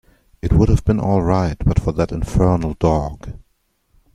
It would have been all right but for that infernal dog.